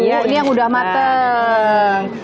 iya ini yang sudah matang